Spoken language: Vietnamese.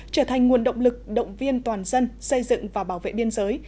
trở thành nguồn động lực động viên toàn dân xây dựng và bảo vệ biên giới